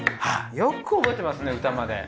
よく覚えてますね歌まで。